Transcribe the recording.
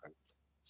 nah ini adalah satu